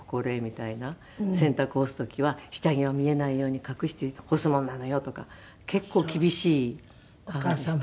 「洗濯干す時は下着が見えないように隠して干すものなのよ」とか結構厳しい母でした。